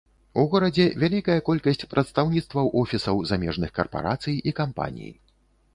У горадзе вялікая колькасць прадстаўніцтваў офісаў замежных карпарацый і кампаній.